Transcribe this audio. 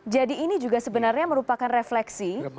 jadi ini juga sebenarnya merupakan refleksi